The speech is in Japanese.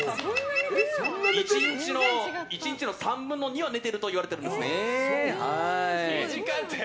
１日の３分の２は寝ているといわれているんですね。